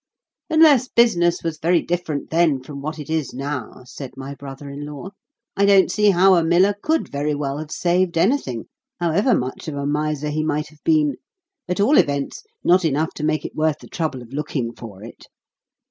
"Unless business was very different then from what it is now," said my brother in law, "I don't see how a miller could very well have saved anything, however much of a miser he might have been: at all events, not enough to make it worth the trouble of looking for it."